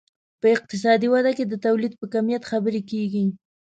په اقتصادي وده کې د تولید په کمیت خبرې کیږي.